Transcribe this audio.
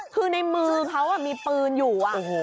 คือในมือเขามีปืนอยู่